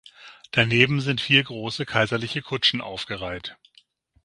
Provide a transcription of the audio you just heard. Daneben sind vier große kaiserliche Kutschen aufgereiht.